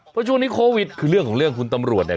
เพราะช่วงนี้โควิดคือเรื่องของเรื่องคุณตำรวจเนี่ย